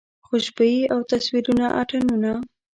خوشبويي او تصویرونه اتڼونه